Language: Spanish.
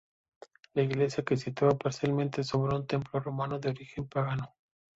La iglesia se sitúa parcialmente sobre un templo romano de origen pagano.